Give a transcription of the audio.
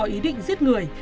ý định giết người